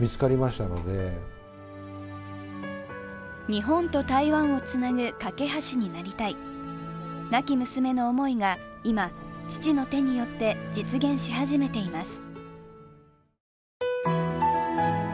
日本と台湾をつなぐ懸け橋になりたい、亡き娘の思いが今、父の手によって実現し始めています。